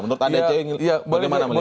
menurut anda coy bagaimana melihatnya